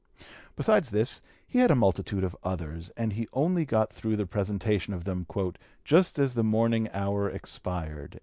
Besides this he had a multitude of others, and he only got through the presentation of them "just as the morning hour expired."